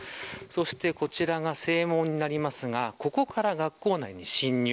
そしてこちらが正門になりますがここから学校内に侵入。